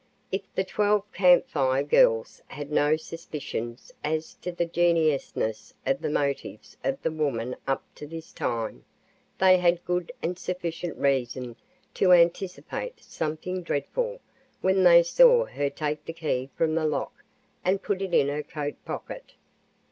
If the twelve Camp Fire Girls had no suspicions as to the genuineness of the motives of the woman up to this time, they had good and sufficient reason to anticipate something dreadful when they saw her take the key from the lock and put it in her coat pocket.